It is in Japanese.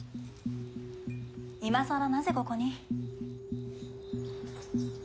今さらなぜここに？